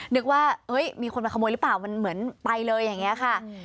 นึกว่ามีคนมาขโมยหรือเปล่ามันเหมือนไปเลยอย่างนี้ค่ะ